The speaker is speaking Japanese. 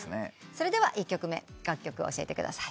それでは１曲目楽曲教えてください。